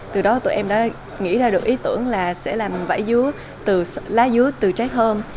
từ đó tụi em đã nghĩ ra được ý tưởng là sẽ làm vải dứa từ lá dứa từ trái thơm